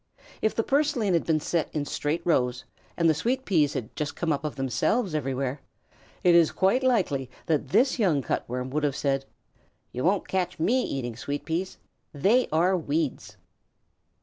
If the purslane had been set in straight rows, and the sweet peas had just come up of themselves everywhere, it is quite likely that this young Cut Worm would have said: "You won't catch me eating sweet peas. They are weeds."